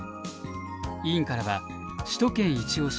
委員からは首都圏いちオシ！